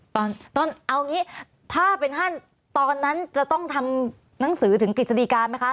ตอนตอนเอางี้ถ้าเป็นท่านตอนนั้นจะต้องทำหนังสือถึงกฤษฎีการไหมคะ